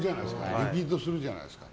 リピートするじゃないですか。